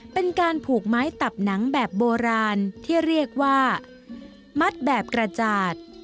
เป็นการผูกไม้ตับหนังแบบโบราณที่เรียกว่ามัดแบบกระจาด